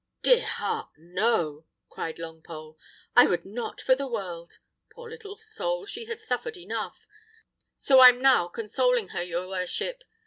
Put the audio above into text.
"Dear heart, no!" cried Longpole; "I would not for the world. Poor little soul! she has suffered enough; so I'm now consoling her, your worship.